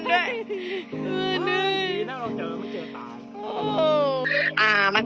รอน่ายแล้ว